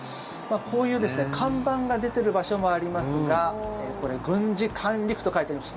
こういう看板が出ている場所もありますがこれ、軍事管理区と書いてあります。